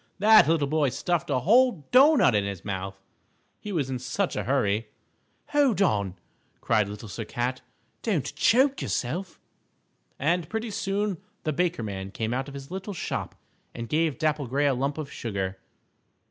that little boy stuffed a whole doughnut into his mouth, he was in such a hurry. "Hold on!" cried Little Sir Cat, "don't choke yourself!" And pretty soon the Baker Man came out of his little shop and gave Dapple Gray a lump of sugar.